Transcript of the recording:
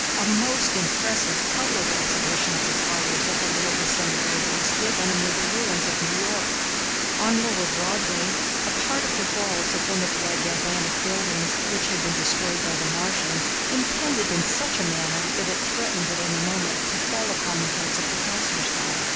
A most impressive public exhibition of the powers of the little disintegrator was given amid the ruins of New York. On lower Broadway a part of the walls of one of the gigantic buildings, which had been destroyed by the Martians, impended in such a manner that it threatened at any moment to fall upon the heads of the passers by.